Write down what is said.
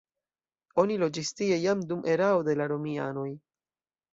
Oni loĝis tie jam dum erao de la romianoj.